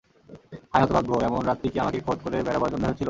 হায় হতভাগ্য, এমন রাত্রি কি আমাকে খোঁজ করে বেড়াবার জন্যই হয়েছিল?